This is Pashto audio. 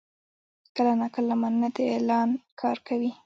کله ناکله «مننه» د اعلان کار کوي.